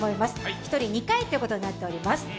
１人２回ということになっております。